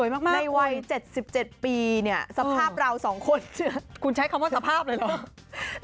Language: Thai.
ในวัย๗๗ปีเนี่ยสภาพเรา๒คนคุณใช้คำว่าสภาพเลยเหรอ